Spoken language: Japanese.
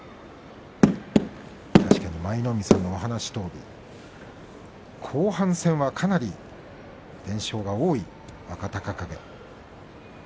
確かに舞の海さんの話のとおり後半戦はかなり連勝が多い若隆景です。